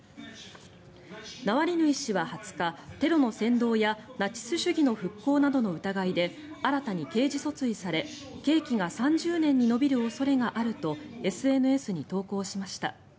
ナワリヌイ氏は２０日テロの扇動やナチス主義の復興などの疑いで新たに刑事訴追され、刑期が３０年に延びる恐れがあるとＳＮＳに投稿しました。